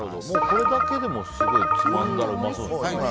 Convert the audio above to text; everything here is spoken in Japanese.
これだけでもすごいつまんだらうまそうですね。